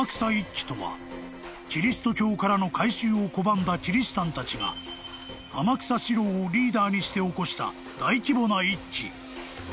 ［キリスト教からの改宗を拒んだキリシタンたちが天草四郎をリーダーにして起こした大規模な一揆］